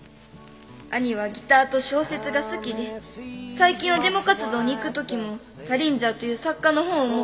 「兄はギターと小説が好きで最近はデモ活動に行く時もサリンジャーという作家の本を持って」